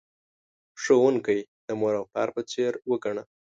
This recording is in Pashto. ښوونکی د مور او پلار په څیر وگڼه.